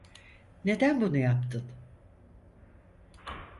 Neden bunu yaptın?